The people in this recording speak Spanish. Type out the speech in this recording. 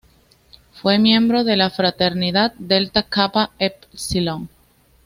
Fue miembro de la fraternidad Delta Kappa Epsilon.